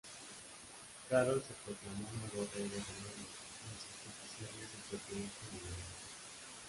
Carol se proclamó nuevo rey de Rumanía, en sustitución de su propio hijo Miguel.